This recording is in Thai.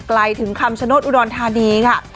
ไกลถึงคำชโนธอุดรธานีค่ะ